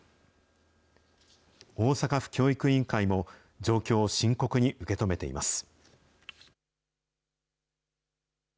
大阪府教育委員会も、状況を深刻に受け止めています。